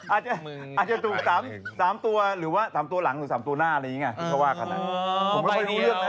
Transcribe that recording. อาจจะถูก๓ตัวหรือว่า๓ตัวหลังหรือ๓ตัวหน้าอะไรอย่างนี้ไงที่เขาว่ากัน